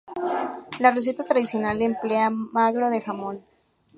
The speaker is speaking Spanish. La receta tradicional emplea magro de jamón.